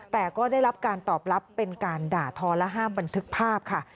แต่ก็ได้รับการตอบรับเป็นการด่าทอและห้ามบันทึกภาพค่ะ